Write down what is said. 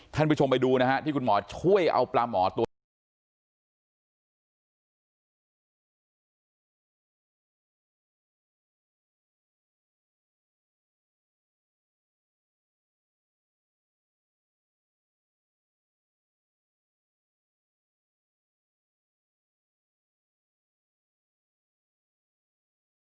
ท่านผู้ชมไปดูนะฮะที่คุณหมอช่วยเอาปลาหมอตัวนี้ออกมา